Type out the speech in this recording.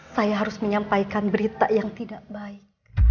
saya harus menyampaikan berita yang tidak baik